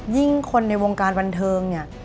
ยิ่งคนในวงการบรรเทิง